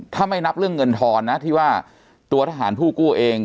ถ้าไม่นับเรื่องเงินทอนนะที่ว่าตัวทหารผู้กู้เอง